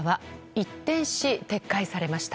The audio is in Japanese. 一転し、撤回されました。